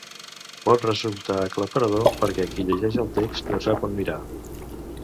Pot resultar aclaparador perquè qui llegeix el text no sap on mirar.